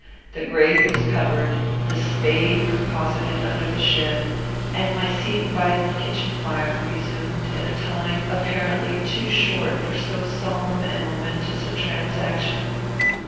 The grave was covered, the spade reposited under the shed, and my seat by the kitchen fire resumed in a time apparently too short for so solemn and momentous a transaction.